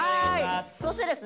そしてですね